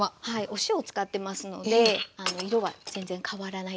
お塩を使ってますので色は全然変わらないですね。